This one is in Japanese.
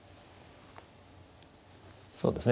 そうですね。